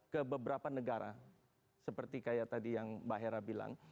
ke beberapa negara seperti kayak tadi yang mbak hera bilang